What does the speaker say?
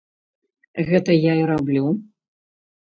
Гэта я і раблю.